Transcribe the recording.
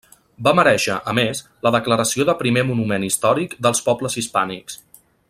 Va merèixer, a més, la declaració de Primer Monument Històric dels Pobles Hispànics.